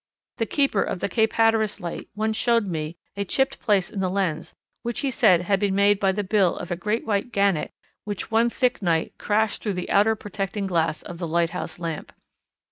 The keeper of the Cape Hatteras light once showed me a chipped place in the lens which he said had been made by the bill of a great white Gannet which one thick night crashed through the outer protecting glass of the lighthouse lamp.